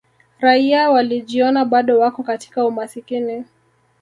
raia walijiona bado wako katika umasikini